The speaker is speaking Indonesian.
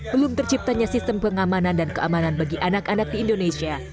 belum terciptanya sistem pengamanan dan keamanan bagi anak anak di indonesia